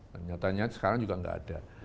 dan nyatanya sekarang juga gak ada